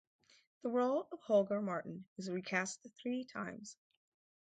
The role of Holger Martin was recast three times.